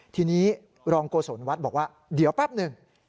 ทีนี้รองโกศลวัดบอกว่าเดี๋ยวแป๊บหนึ่ง